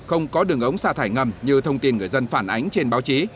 không có đường ống xa thải ngầm như thông tin người dân phản ánh trên báo chí